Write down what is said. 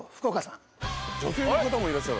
女性の方もいらっしゃる。